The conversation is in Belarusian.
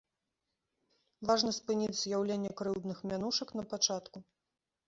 Важна спыніць з'яўленне крыўдных мянушак напачатку.